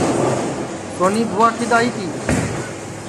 سونی بُھوا کِدؔ آئی تی